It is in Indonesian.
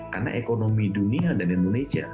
karena ekonomi dunia dan indonesia